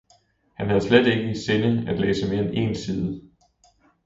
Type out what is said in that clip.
Han havde slet ikke i sinde at læse mere end én side.